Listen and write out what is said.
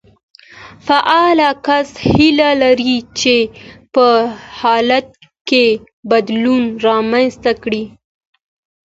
فعال کس هيله لري چې په حالت کې بدلون رامنځته کړي.